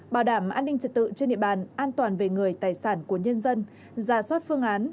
bảo đảm an ninh trật tự trên địa bàn an toàn về người tài sản của nhân dân giả soát phương án